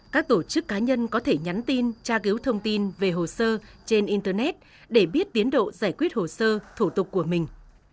các tổ chức cá nhân có thể nhắn tin tra cứu thông tin về hồ sơ trên internet để biết tiến độ giải quyết hồ sơ thủ tục của mình